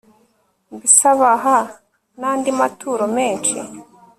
mbese abaha n'andi maturo menshi